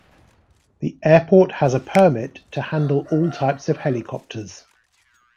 The airport has a permit to handle all types of helicopters.